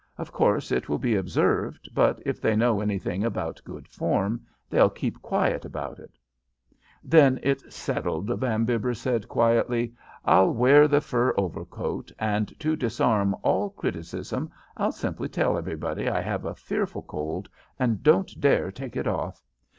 'Of course, it will be observed, but if they know anything about good form they'll keep quiet about it.' "'Then it's settled,' Van Bibber said quietly. 'I'll wear the fur overcoat, and to disarm all criticism I'll simply tell everybody I have a fearful cold and don't dare take it off.